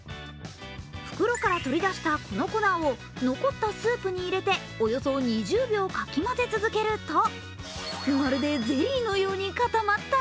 袋から取り出したこの粉を残ったスープに入れておよそ２０秒かき混ぜ続けると、まるでゼリーのように固まった。